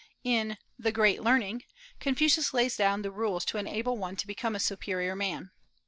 In "The Great Learning" Confucius lays down the rules to enable one to become a superior man.